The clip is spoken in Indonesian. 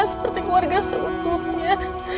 seperti keluarga seutupnya